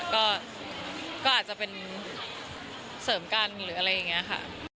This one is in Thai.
ก็อาจจะเป็นเสริมกันหรืออะไรอย่างนี้ค่ะ